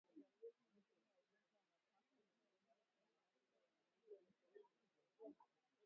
Dalili nyingine ya ugonjwa wa mapafu ni mdomo na macho ya mnyama kuwa mekundu